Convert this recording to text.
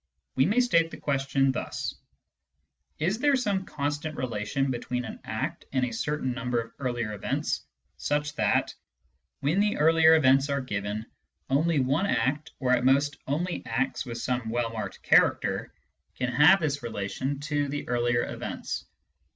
We may state the question thus : Is there some constant relation between an act and a certain number of earlier events, such that, when the earlier events are given, only one act, or at most only acts with some well marked character, can have this relation to the earlier events